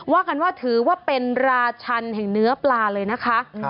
ว่ากันว่าถือว่าเป็นราชันแห่งเนื้อปลาเลยนะคะ